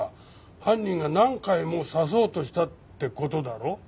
犯人が何回も刺そうとしたって事だろ？